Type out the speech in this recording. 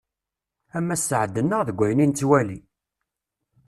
Ama sseɛd-nneɣ deg wayen i nettwali!